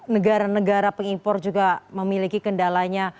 negara negara pengimpor juga memiliki kendalanya